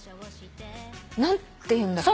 何ていうんだっけ？